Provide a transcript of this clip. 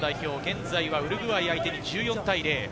現在はウルグアイ相手に１４対０。